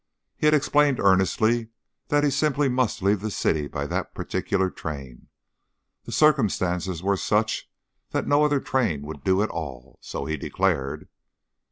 He had explained earnestly that he simply must leave the city by that particular train. The circumstances were such that no other train would do at all, so he declared.